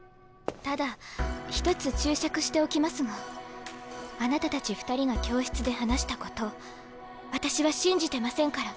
ただ一つ注釈しておきますがあなたたち２人が教室で話したこと私は信じてませんから。